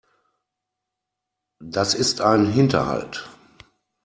Das ist ein Hinterhalt.